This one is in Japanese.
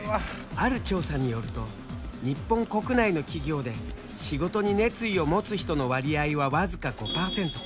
ある調査によると日本国内の企業で仕事に熱意を持つ人の割合は僅か５％。